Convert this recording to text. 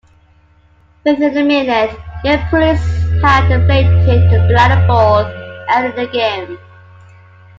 Within a minute, Yale Police had deflated the Bladderball, ending the game.